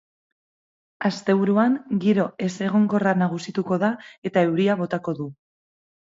Asteburuan giro ezegonkorra nagusituko da eta euria botako du.